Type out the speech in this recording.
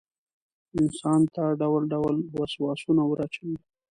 انسان ته ډول ډول وسواسونه وراچوي.